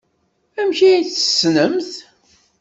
Amek ay tt-tessnemt?